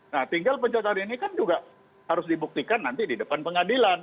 nah tinggal pencatatan ini kan juga harus dibuktikan nanti di depan pengadilan